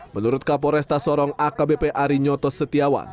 menurut kapol restasoro akbp ari nyoto setiawan